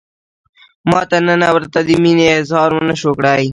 ما تر ننه ورته د مینې اظهار ونشو کړای.